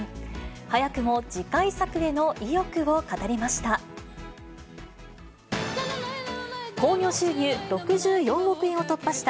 早くも次回作への意欲を語りました。